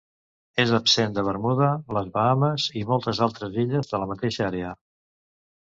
És absent de Bermuda, les Bahames i moltes altres illes de la mateixa àrea.